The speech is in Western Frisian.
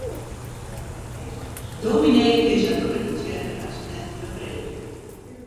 Dominy kin sa'n grutte tsjerke hast net bepreekje.